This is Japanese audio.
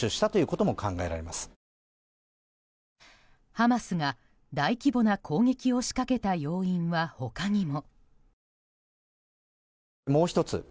ハマスが大規模な攻撃を仕掛けた要因は他にも。